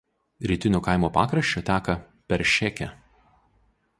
Rytiniu kaimo pakraščiu teka Peršėkė.